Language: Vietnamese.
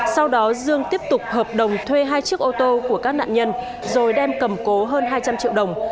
sau đó dương tiếp tục hợp đồng thuê hai chiếc ô tô của các nạn nhân rồi đem cầm cố hơn hai trăm linh triệu đồng